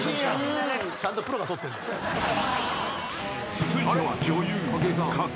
［続いては］